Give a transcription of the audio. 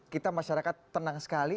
kita masyarakat tenang sekali